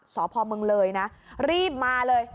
สพเมืองเลยนะรีบมาเลย